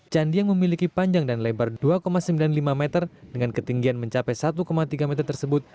candi yang memiliki panjang dan lebar dua sembilan puluh lima meter dengan ketinggian mencapai satu tiga meter tersebut